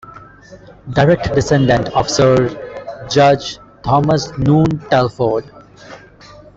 Direct descendant of Sir Judge Thomas Noon Talfourd